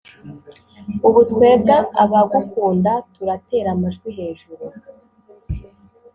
ubu twebwe abagukunda turatera amajwi hejuru ,